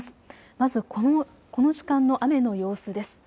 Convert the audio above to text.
まずこの時間の雨の様子です。